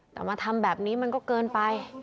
แต่มาทำแบบนี้มันก็เกินไป